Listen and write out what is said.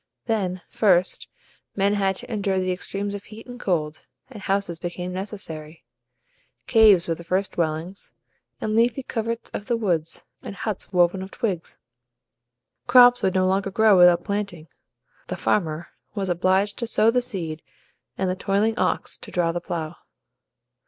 Then, first, men had to endure the extremes of heat and cold, and houses became necessary. Caves were the first dwellings, and leafy coverts of the woods, and huts woven of twigs. Crops would no longer grow without planting. The farmer was obliged to sow the seed and the toiling ox to draw the plough.